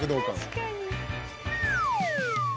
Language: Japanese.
確かに。